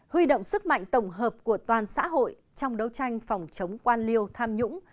huy động sức mạnh tổng hợp của toàn xã hội trong đấu tranh phòng chống quan liêu tham nhũng